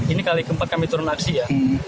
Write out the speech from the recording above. ini kali keempat kami turun aksi ya